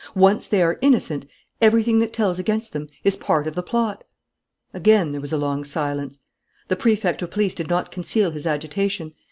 Once they are innocent, everything that tells against them is part of the plot." Again there was a long silence. The Prefect of Police did not conceal his agitation.